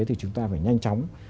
thì chúng ta phải nhanh chóng